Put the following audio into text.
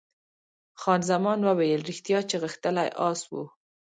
خان زمان وویل، ریښتیا چې غښتلی اس وو.